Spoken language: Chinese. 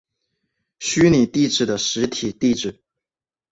虚拟地址的实体地址。